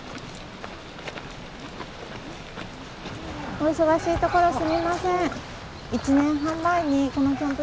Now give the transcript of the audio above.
お忙しいところすみません。